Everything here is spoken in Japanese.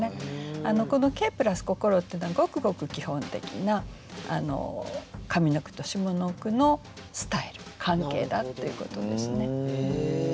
この「景」＋「心」っていうのはごくごく基本的な上の句と下の句のスタイル関係だっていうことですね。